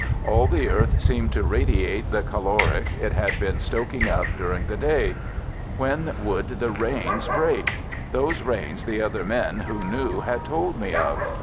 All the earth seemed to radiate the caloric it had been stoking up during the day. When would the rains break? Those rains the other men who knew had told me of.